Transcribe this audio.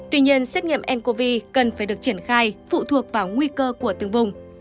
tuy nhiên xét nghiệm ncov cần phải được triển khai phụ thuộc vào nguy cơ của từng vùng